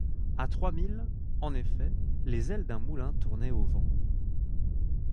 À trois milles, en effet, les ailes d’un moulin tournaient au vent.